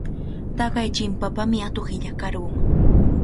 Taqay chimpapami atuq illakarqun.